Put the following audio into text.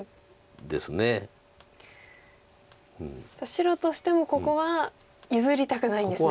白としてもここは譲りたくないんですね。